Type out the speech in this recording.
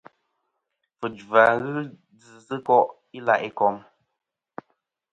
Fujva ghɨ djɨ sɨ ko' i la' ikom.